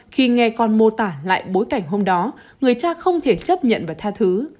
khi nghe con mô tả lại bối cảnh hôm đó người cha không thể chấp nhận và tha thứ